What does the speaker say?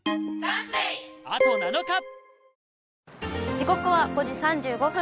時刻は５時３５分。